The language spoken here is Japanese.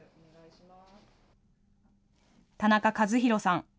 田中和弘さん。